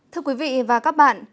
thưa quý vị và các bạn